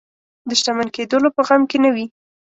د شتمن کېدلو په غم کې نه وي.